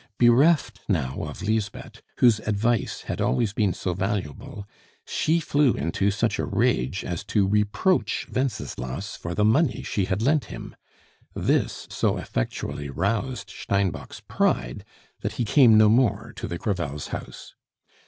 Bereft now of Lisbeth, whose advice had always been so valuable she flew into such a rage as to reproach Wenceslas for the money she had lent him. This so effectually roused Steinbock's pride, that he came no more to the Crevels' house.